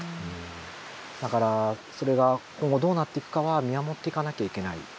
だからそれが今後どうなっていくかは見守っていかなきゃいけないと思います。